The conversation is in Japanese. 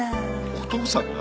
お父さんが？